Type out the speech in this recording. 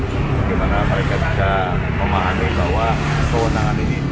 bagaimana mereka bisa memahami bahwa kewenangan ini